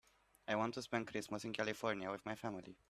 I want to spend Christmas in California with my family.